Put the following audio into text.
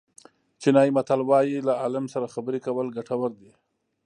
چینایي متل وایي له عالم سره خبرې کول ګټور دي.